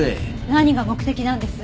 何が目的なんです？